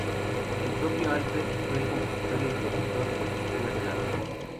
El propio Alfred fue el compositor y el productor de sus temas del álbum.